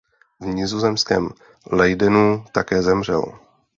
V nizozemském Leidenu také zemřel.